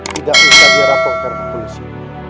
tidak bisa dirapokkan ke polisi